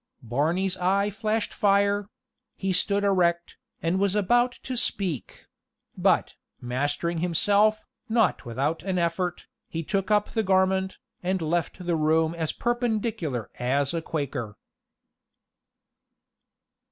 Barney's eye flashed fire he stood erect, and was about to speak; but, mastering himself, not without an effort, he took up the garment, and left the room as perpendicular as a Quaker.